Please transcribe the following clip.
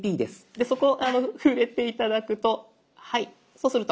でそこ触れて頂くとはいそうすると。